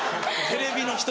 テレビの人。